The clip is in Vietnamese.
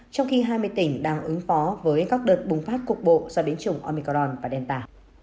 trong khi hai mươi tỉnh đang ứng phó với các đợt bùng phát cục bộ do biến chủng omikaran và delta